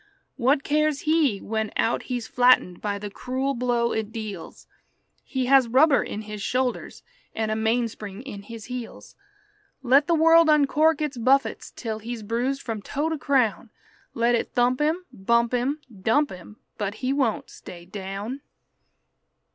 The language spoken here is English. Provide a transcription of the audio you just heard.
What cares he when out he's flattened by the cruel blow it deals? He has rubber in his shoulders and a mainspring in his heels. Let the world uncork its buffets till he's bruised from toe to crown; Let it thump him, bump him, dump him, but he won't stay down.